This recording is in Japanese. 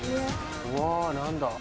うわ何だ。